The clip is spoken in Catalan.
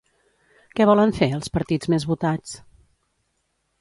Què volen fer, els partits més votats?